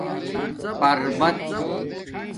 پربت